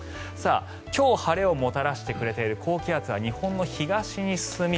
今日晴れをもたらしてくれている高気圧は日本の東に進み